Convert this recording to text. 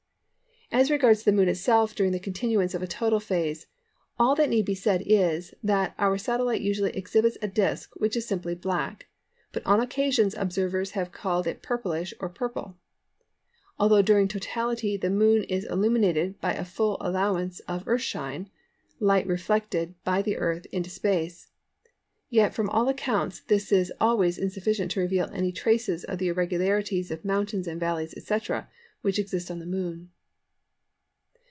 As regards the Moon itself during the continuance of the total phase, all that need be said is that our satellite usually exhibits a disc which is simply black; but on occasions observers have called it purple or purplish. Although during totality the Moon is illuminated by a full allowance of Earth shine (light reflected by the Earth into space), yet from all accounts this is always insufficient to reveal any traces of the irregularities of mountains and valleys, etc., which exist on the Moon.